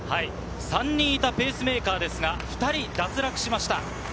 ３人いたペースメーカーは２人脱落しました。